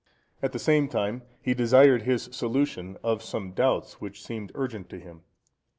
At the same time, he desired his solution of some doubts which seemed urgent to him.